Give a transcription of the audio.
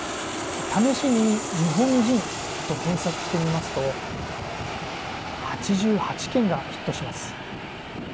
試しに日本人と検索してみますと８８件がヒットします。